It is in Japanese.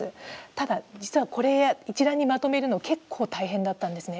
ただ実はこれ、一覧にまとめるの結構大変だったんですね。